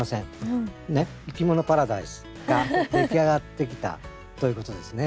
「いきものパラダイス」が出来上がってきたということですね。